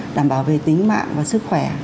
cũng như là đảm bảo về tính mạng và sức khỏe